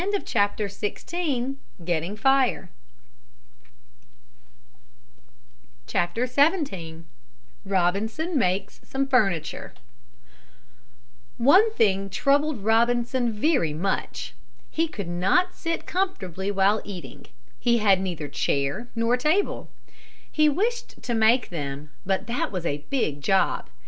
XVII ROBINSON MAKES SOME FURNITURE One thing troubled Robinson very much. He could not sit comfortably while eating. He had neither chair nor table. He wished to make them, but that was a big job.